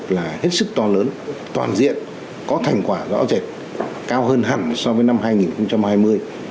là hết sức to lớn toàn diện có thành quả rõ rệt cao hơn hẳn so với năm hai nghìn hai mươi